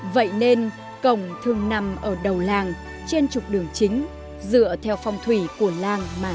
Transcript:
vậy nên cổng thường nằm ở đầu làng trên trục đường chính dựa theo phong thủy của làng mà